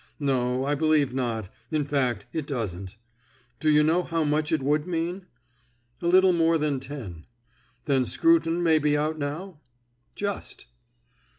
"No, I believe not. In fact, it doesn't." "Do you know how much it would mean?" "A little more than ten." "Then Scruton may be out now?" "Just."